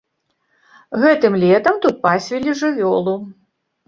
Гэтым летам тут пасвілі жывёлу.